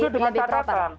setuju dengan catatan